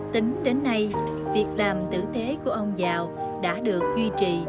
tính đến nay việc làm tử tế của ông giào đã được duy trì